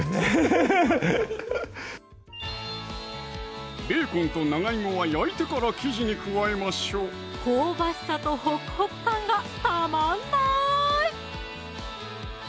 フフフベーコンと長芋は焼いてから生地に加えましょう香ばしさとホクホク感がたまんない！